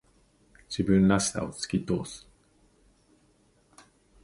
自分らしさを突き通す。